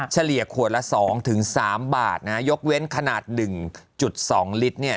เฉลี่ยขวดละ๒๓บาทนะฮะยกเว้นขนาด๑๒ลิตรเนี่ย